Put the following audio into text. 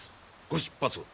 ご出発を。